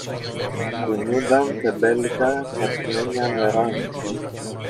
κουνιούνταν τεμπέλικα στ' ασημένια νερά